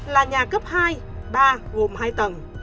là nhà cấp hai ba gồm hai tầng